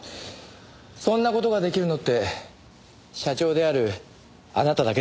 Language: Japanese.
そんな事が出来るのって社長であるあなただけですよね？